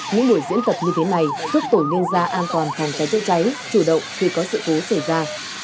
những buổi diễn tật như thế này thức tổn nên ra an toàn hàng cháy cháy cháy chủ động khi có sự cố xảy ra